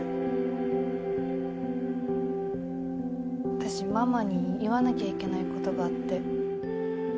私ママに言わなきゃいけないことがあって。